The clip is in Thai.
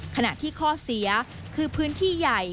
ขณะที่ข้อเสียคือพื้นที่ใหญ่